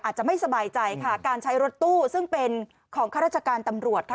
อาจจะไม่สบายใจค่ะการใช้รถตู้ซึ่งเป็นของข้าราชการตำรวจค่ะ